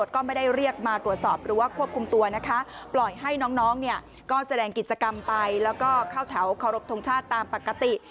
ก็แสดงกิจกรรมไปแล้วก็เข้าเถาขอรบทรงชาติตามปกติ